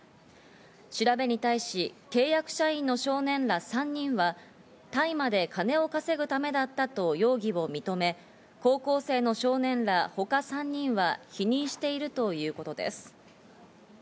調べに対し、契約社員の少年ら３人は、大麻で金を稼ぐためだったと容疑を認め、高校生の少年ら他３人は否認しているということです。